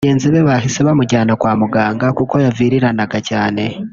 Bagenzi be bahise bamujyana kwa muganga kuko yaviriranaga cyane